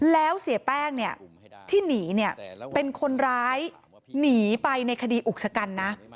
แล้วเสียแป้งที่หนีเป็นคนร้ายหนีไปในคดีอุกชะกัน